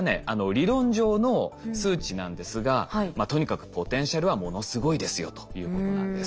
理論上の数値なんですがとにかくポテンシャルはものすごいですよということなんです。